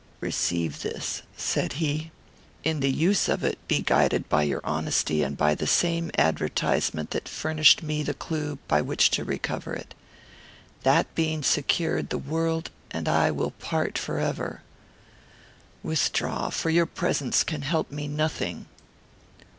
"Receive this," said he. "In the use of it, be guided by your honesty and by the same advertisement that furnished me the clue by which to recover it. That being secured, the world and I will part forever. Withdraw, for your presence can help me nothing."